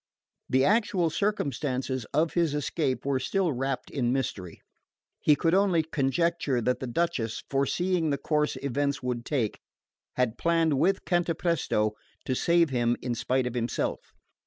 The actual circumstances of his escape were still wrapped in mystery: he could only conjecture that the Duchess, foreseeing the course events would take, had planned with Cantapresto to save him in spite of himself.